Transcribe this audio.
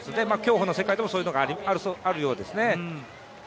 競歩の世界でもそういうのがあるようですね。